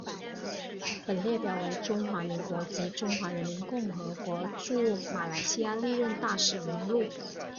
本列表为中华民国及中华人民共和国驻马来西亚历任大使名录。